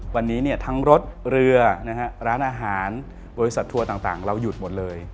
วันนี้ทั้งรถเรือร้านอาหารบริษัททัวร์ต่างเราหยุดหมดเลย